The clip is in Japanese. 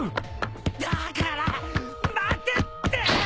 だから待てって。